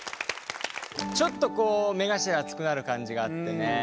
ちょっとこう目頭熱くなる感じがあってね。